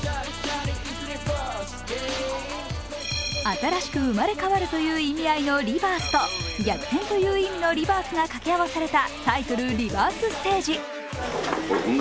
あたらしく生まれ変わるという意味合いのリバースと逆転という意味のリバースが掛け合わされた、タイトル「ＲｅｂｉｒｔｈＳｔａｇｅ」。